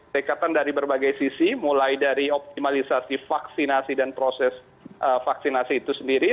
dekatan dari berbagai sisi mulai dari optimalisasi vaksinasi dan proses vaksinasi itu sendiri